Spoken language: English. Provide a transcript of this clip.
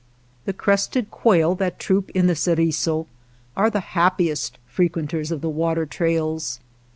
The crested quail that troop in the Ceriso are the happiest frequenters of the water trails.